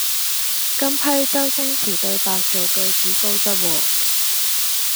今批周星馳對白做句子高質喎